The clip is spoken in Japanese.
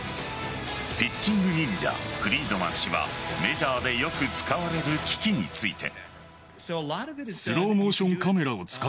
ピッチングニンジャフリードマン氏はメジャーでよく使われる機器について。